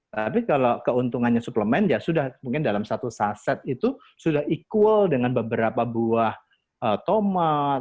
tapi kalau keuntungannya suplemen ya sudah mungkin dalam satu saset itu sudah equal dengan beberapa buah tomat